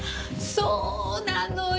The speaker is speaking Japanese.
そうなのよ！